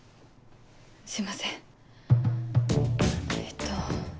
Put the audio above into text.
すいませんえっと。